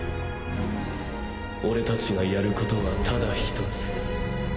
オレたちがやることはただ一つ。